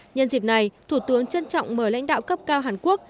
nhân dịp này thủ tướng trân trọng mời lãnh đạo cấp cao hàn quốc